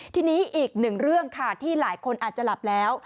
ทีนี้อีกหนึ่งเรื่องค่ะที่หลายคนอาจจะหลับแล้ว